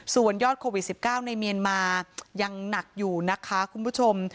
ส่วนยอดโควิด๑๙ในเมียนมายังหนักอยู่นะคะคุณผู้ชม